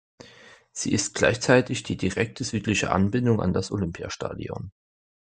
Sie ist gleichzeitig die direkte südliche Anbindung an das Olympiastadion.